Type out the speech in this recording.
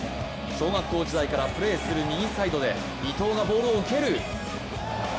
小学校時代からプレーする右サイドで伊東がボールを受ける。